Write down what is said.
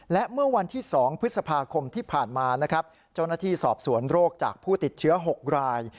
และเมื่อวันที่๒พฤษภาคมที่ผ่านมานะครับเจ้าหน้าที่สอบสวนโรคจากผู้ติดเชื้อ๖ราย